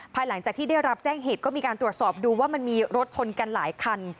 หลังจากที่ได้รับแจ้งเหตุก็มีการตรวจสอบดูว่ามันมีรถชนกันหลายคัน